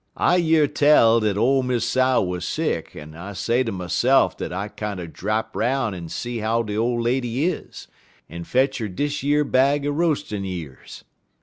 I year tell dat ole Miss Sow wuz sick, en I say ter myse'f dat I'd kinder drap 'roun' en see how de ole lady is, en fetch 'er dish yer bag er roas'n' years.